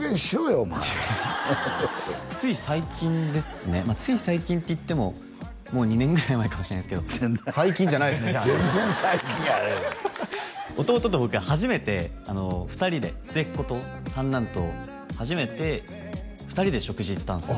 お前つい最近ですねまあつい最近っていってももう２年ぐらい前かもしれないですけど最近じゃないですね全然最近やあらへん弟と僕初めて２人で末っ子と三男と初めて２人で食事行ったんですよ